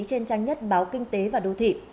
trên trang nhất báo kinh tế và đô thị